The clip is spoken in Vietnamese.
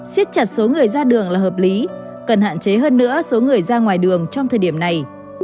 xiết chặt số người ra đường là hợp lý cần hạn chế hơn nữa số người ra ngoài đường trong thời điểm này